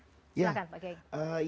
silahkan pak kiai